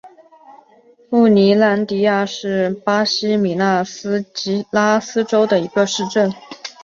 富尼兰迪亚是巴西米纳斯吉拉斯州的一个市镇。